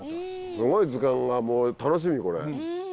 すごい図鑑が楽しみこれ。